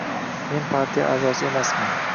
Men partiya a’zosi emasman.